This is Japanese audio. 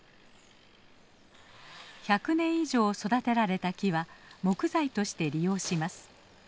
１００年以上育てられた木は木材として利用します。